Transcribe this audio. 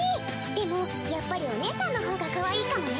でもやっぱりおねえさんのほうがかわいいかもね？